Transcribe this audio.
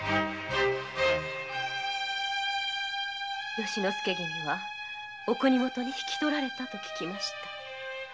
由之助君はお国元に引き取られたと聞きました。